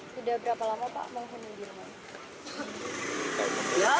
tidak berapa lama pak penghuni di rumah